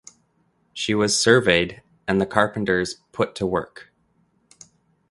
She was surveyed and the carpenters put to work.